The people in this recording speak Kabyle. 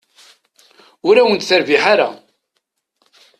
Ur awen-terbiḥ ara.